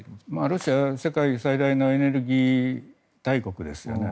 ロシアは世界最大のエネルギー大国ですよね。